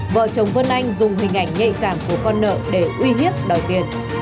vợ chồng vân anh dùng hình ảnh nhạy cảm của con nợ để uy hiếp đòi tiền